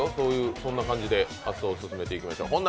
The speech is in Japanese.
そんな感じで発想を進めましょう。